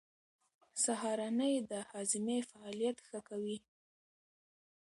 سهارنۍ د هاضمې فعالیت ښه کوي.